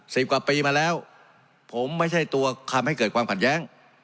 สิบกว่าปีมาแล้วผมไม่ใช่ตัวคำให้เกิดความขัดแย้ง